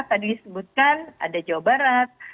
tadi disebutkan ada jawa barat